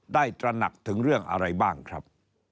ตระหนักถึงเรื่องอะไรบ้างครับ